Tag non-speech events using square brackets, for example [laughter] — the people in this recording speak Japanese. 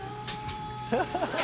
ハハハ [laughs]